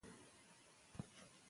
که روغه وي نو جنجال نه وي.